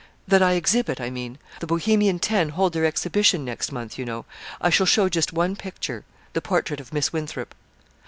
"That I exhibit, I mean. The Bohemian Ten hold their exhibition next month, you know. I shall show just one picture the portrait of Miss Winthrop."